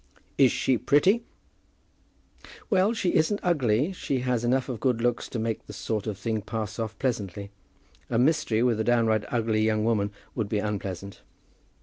"Is she pretty?" "Well; she isn't ugly. She has just enough of good looks to make the sort of thing pass off pleasantly. A mystery with a downright ugly young woman would be unpleasant."